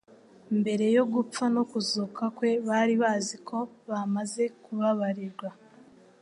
Mbere yo gupfa no kuzuka kwe, bari bazi ko bamaze kubabarirwa